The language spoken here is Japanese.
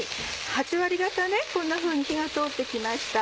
８割方こんなふうに火が通って来ました。